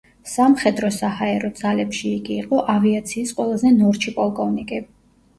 სამხედრო-საჰაერო ძალებში იგი იყო ავიაციის ყველაზე ნორჩი პოლკოვნიკი.